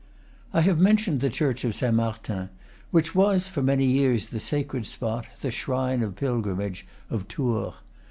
III. I have mentioned the church of Saint Martin, which was for many years the sacred spot, the shrine of pilgrimage, of Tours.